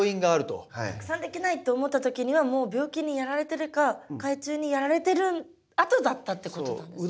たくさんできないって思った時にはもう病気にやられてるか害虫にやられてるあとだったってことなんですね。